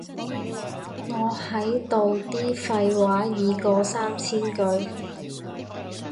我喺度啲廢話已過三千句